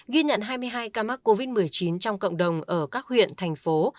ghi nhận hai mươi hai ca mắc covid một mươi chín trong cộng đồng ở các huyện thành phố